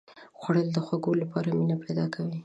خوړل د خوږو لپاره مینه پیدا کوي